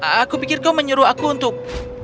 aku pikir kau menyuruh aku untuk